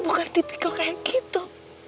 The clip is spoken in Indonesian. bukan tipikal kayak gitu